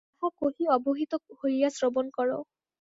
যাহা কহি অবহিত হইয়া শ্রবণ কর।